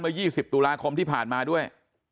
๒๐ตุลาคมที่ผ่านมาด้วย